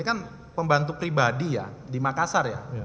ini kan pembantu pribadi ya di makassar ya